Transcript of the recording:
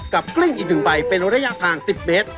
กลิ้งอีก๑ใบเป็นระยะทาง๑๐เมตร